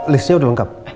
listnya udah lengkap